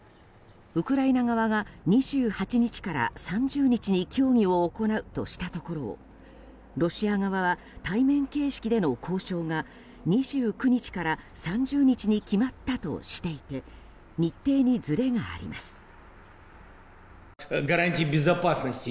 ウクライナ側が２８日から３０日に協議を行うとしたところをロシア側は対面形式での交渉が２９日から３０日に決まったとしていて日程にずれがあります。